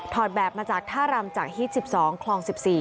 แบบมาจากท่ารำจากฮิต๑๒คลอง๑๔